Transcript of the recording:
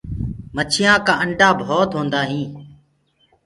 مڇيآ ڪآ آنڊآ ڀوت هوندآ هينٚ۔